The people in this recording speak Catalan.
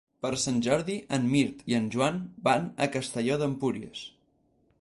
Per Sant Jordi en Mirt i en Joan van a Castelló d'Empúries.